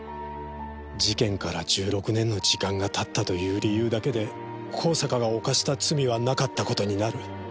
事件から１６年の時間が経ったという理由だけで香坂が犯した罪はなかった事になる。